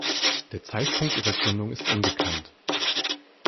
Der Zeitpunkt ihrer Gründung ist unbekannt.